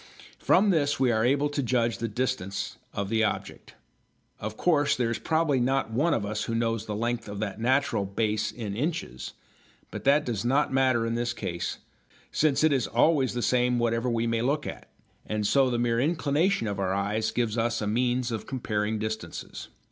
From this we are able to judge the distance of the object. Of course there is probably not one of us who knows the length of that natural "base" in inches, but that does not matter in this case, since it is always the same whatever we may look at, and so the mere inclination of the eyes gives us a means of comparing distances.